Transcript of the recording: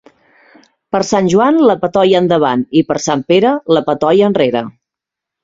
Per Sant Joan la patoia endavant i, per Sant Pere, la patoia enrere.